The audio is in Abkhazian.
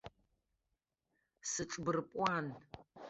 Сыҿбырпуан.